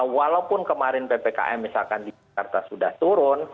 walaupun kemarin ppkm misalkan di jakarta sudah turun